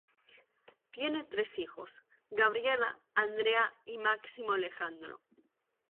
Tiene tres hijos: Gabriela, Andrea y Máximo Alejandro.